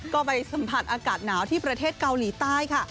ก็ไปสัมผัสอากาศหนาวที่ประเทศเกาหลีใต้ค่ะ